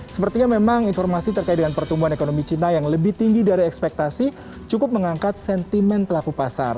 sepertinya memang informasi terkait dengan pertumbuhan ekonomi cina yang lebih tinggi dari ekspektasi cukup mengangkat sentimen pelaku pasar